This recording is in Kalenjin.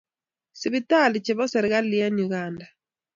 sipitalli chebo serkali en uganda